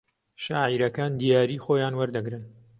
شاعیرەکان دیاریی خۆیان وەردەگرن